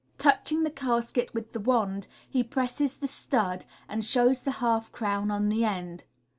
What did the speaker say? Touching the casket with the wand, he presses the stud, and shows the half crown on the end.